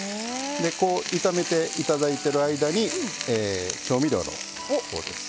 こう炒めて頂いてる間に調味料のほうです。